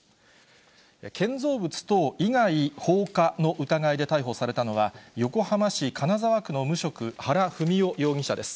建造物等以外放火の疑いで逮捕されたのは、横浜市金沢区の無職、原文雄容疑者です。